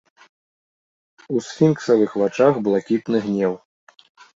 У сфінксавых вачах блакітны гнеў.